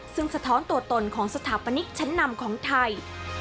ซึ่งสะท้อนตัวตนของสถาปนิกชั้นนำของไทย